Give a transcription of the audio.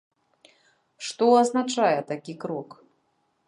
Што азначае такі крок?